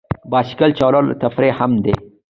بایسکل چلول تفریح هم دی.